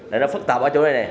đó là phức tạp ở chỗ này nè